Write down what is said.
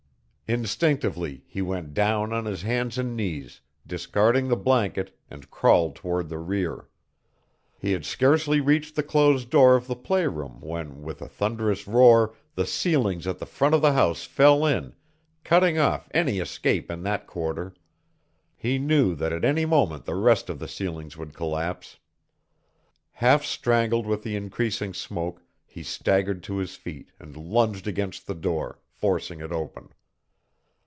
Instinctively he went down on his hands and knees, discarding the blanket, and crawled toward the rear. He had scarcely reached the closed door of the play room when, with a thunderous roar, the ceilings at the front of the house fell in, cutting off any escape in that quarter. He knew that at any moment the rest of the ceilings would collapse. Half strangled with the increasing smoke, he staggered to his feet and lunged against the door, forcing it open.